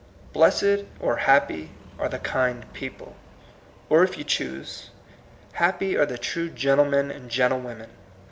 Blessed, or happy, are the kind people ; or, if you choose, Happy are the true gentlemen and gentlewomen.